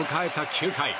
９回。